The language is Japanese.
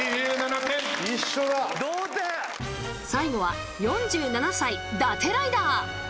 最後は４７歳、伊達ライダー。